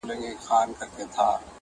چي زما یادیږي دا قلاوي دا سمسور باغونه!